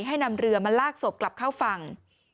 ให้นำเรือมาลากศพกลับเข้าฝั่ง